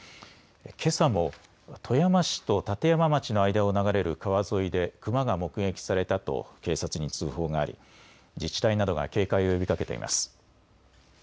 けさも富山市と立山町の間を流れる川沿いでクマが目撃されたと警察に通報があり自治体などが警戒を呼びかけています。